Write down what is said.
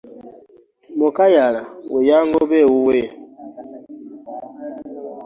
Mukayala we ye yangoba ewuwe.